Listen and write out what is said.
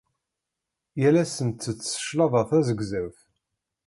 Yal ass nttett cclaḍa tazegzawt.